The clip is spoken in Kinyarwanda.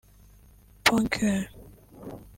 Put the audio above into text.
Boncoeur